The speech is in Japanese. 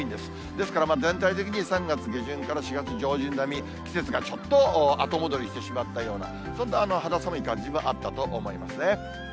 ですから、全体的に３月下旬から４月上旬並み、季節がちょっと後戻りしてしまったような、そんな肌寒い感じもあったと思いますね。